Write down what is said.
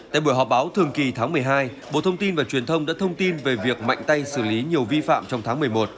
tại buổi họp báo thường kỳ tháng một mươi hai bộ thông tin và truyền thông đã thông tin về việc mạnh tay xử lý nhiều vi phạm trong tháng một mươi một